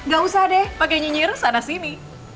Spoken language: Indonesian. gak usah deh pakai nyinyir sana sini